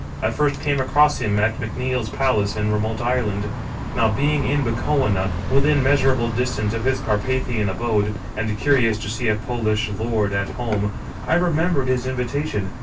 I first came across him at McNeil's place in remote Ireland. Now, being in Bukowina, within measurable distance of his Carpathian abode, and curious to see a Polish lord at home, I remem bered his invitation.